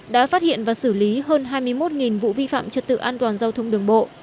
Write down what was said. đã phát hiện và xử lý hơn hai mươi một vụ vi phạm trật tự an toàn giao thông đường bộ